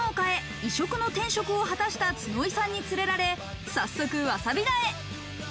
異色の転職を果たした角井さんに連れられ、早速、わさび田へ。